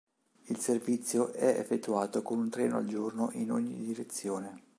Il servizio è effettuato con un treno al giorno in ogni direzione.